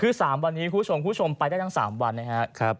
คือสามวันนี้คู่ชมคู่ชมไปได้ตั้งสามวันนะฮะครับ